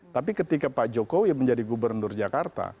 tapi ketika pak jokowi menjadi gubernur jakarta